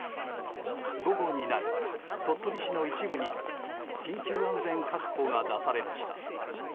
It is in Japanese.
午後になり、鳥取市の一部にも緊急安全確保が出されました。